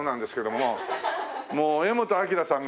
もう柄本明さんがね